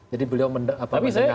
jadi beliau mendengarkan semuanya